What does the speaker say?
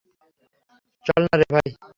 চল নারে ভাই!